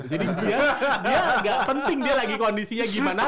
jadi dia ga penting dia lagi kondisinya gimana